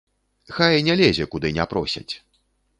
Хай не лезе, куды не просяць.